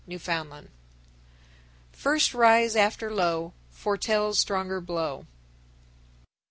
Newfoundland. 1066. First rise after low Foretells stronger blow.